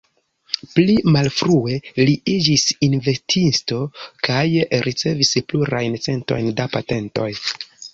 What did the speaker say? Pli malfrue, li iĝis inventisto kaj ricevis plurajn centojn da patentoj.